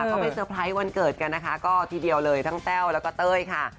ก็ไปเตอร์ไพรส์วันเกิดกันนะคะก็ทีเดียวเลยทั้งแต้วแล้วก็เต้ยค่ะ